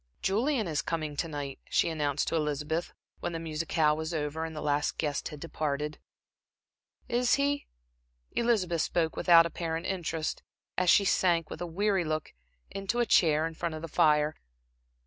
"Julian is coming to night," she announced to Elizabeth, when the musicale was over and the last guest had departed. "Is he?" Elizabeth spoke without apparent interest, as she sank, with a weary look, into a chair in front of the fire.